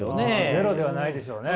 ゼロではないでしょうね。